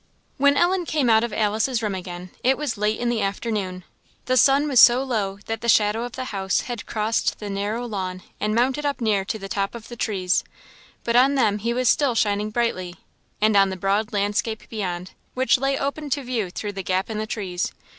When Ellen came out of Alice's room again, it was late in the afternoon. The sun was so low that the shadow of the house had crossed the narrow lawn and mounted up near to the top of the trees; but on them he was still shining brightly, and on the broad landscape beyond, which lay open to view through the gap in the trees.